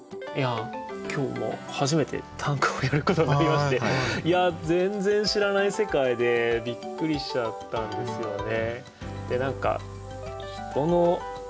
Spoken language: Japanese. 今日初めて短歌をやることになりましていや全然知らない世界でびっくりしちゃったんですよね。